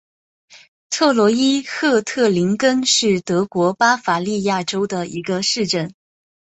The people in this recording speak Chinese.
特罗伊赫特林根是德国巴伐利亚州的一个市镇。